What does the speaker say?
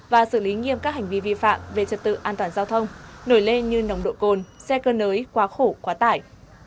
và xử lý nghiêm các hành vi vi phạm về trật tự an toàn giao thông nổi lên như nồng độ cồn xe cơ nới quá khổ quá tải